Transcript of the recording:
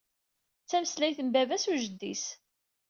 D tameslayt n baba-s u jeddi-s.